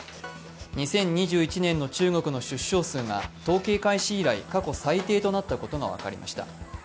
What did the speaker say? ２０２１年の中国の出生数が統計開始以来、過去最低となったことが分かりました。